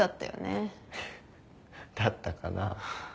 フッだったかな。